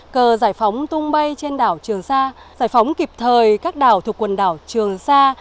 cờ giải phóng tung bay trên đảo trường sa giải phóng kịp thời các đảo thuộc quần đảo trường sa